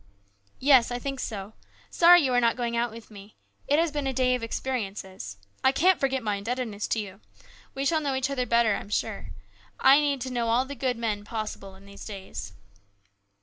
" Yes ; I think so. Sorry you are not going out with me. It has been a day of experiences. I can't forget my indebtedness to you. We shall know each other better, I am sure. I need to know all the good men possible in these days."